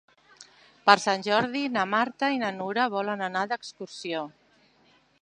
Per Sant Jordi na Marta i na Nura volen anar d'excursió.